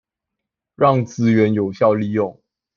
讓資源有效利用